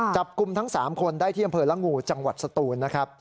จับกลุ่มทั้ง๓คนได้ที่อำเภอละงูจังหวัดสตูนนะครับ